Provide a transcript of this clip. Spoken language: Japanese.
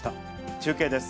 中継です。